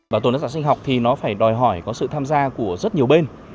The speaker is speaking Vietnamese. bảo tồn đa dạng sinh học thì nó phải đòi hỏi có sự tham gia của rất nhiều bên